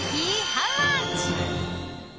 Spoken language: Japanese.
ハウマッチ。